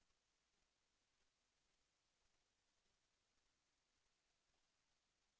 แสวได้ไงของเราก็เชียนนักอยู่ค่ะเป็นผู้ร่วมงานที่ดีมาก